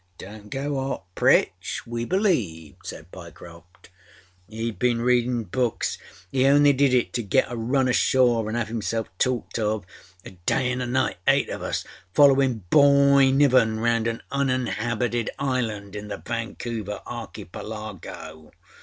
â âDonât get hot, Pritch. We believed,â said Pyecroft. âHeâd been readinâ books. He only did it to get a run ashore anâ have himself talked of. A day anâ a nightâeight of usâfollowinâ Boy Niven round an uninhabited island in the Vancouver archipelago!